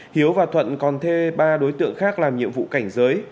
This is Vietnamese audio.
hiếu và thuận còn thuê ba đối tượng khác làm nhiệm vụ cảnh giới